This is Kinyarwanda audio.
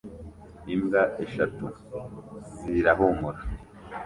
Imbwa eshatu zirahumura